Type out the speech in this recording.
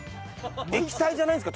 液体じゃないんですか？